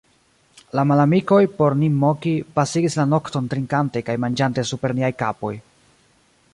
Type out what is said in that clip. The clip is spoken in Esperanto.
La malamikoj, por nin moki, pasigis la nokton trinkante kaj manĝante super niaj kapoj.